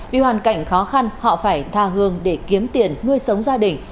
vì hoàn cảnh khó khăn họ phải tha hương để kiếm tiền nuôi sống gia đình